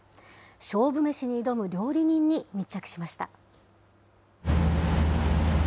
勝負めしに挑む料理人に密着しました。